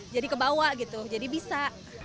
jadi kebawa gitu jadi bisa